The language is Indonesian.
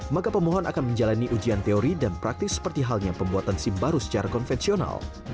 maka pemohon akan menjalani ujian teori dan praktis seperti halnya pembuatan sim baru secara konvensional